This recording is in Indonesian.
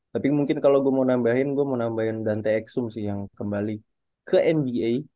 tapi mungkin kalau gue mau nambahin gue mau nambahin dante eksum sih yang kembali ke nba